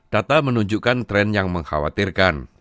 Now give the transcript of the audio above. data menunjukkan tren yang mengkhawatirkan